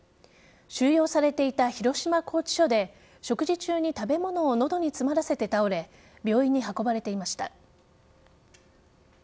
収容されていた広島拘置所で食事中に食べ物を喉に詰まらせて倒れ病院に運ばれていました。